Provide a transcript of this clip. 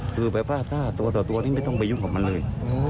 คือแบบว่าตัวนี่ไม่ต้องไปยุ่งกับมันเลย